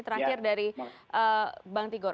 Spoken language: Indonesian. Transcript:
terakhir dari bang tigor